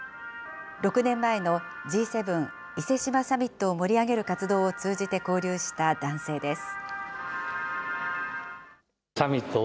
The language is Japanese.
６年前のＧ７伊勢志摩サミットを盛り上げる活動を通じて交流した男性です。